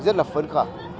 rất là phấn khởi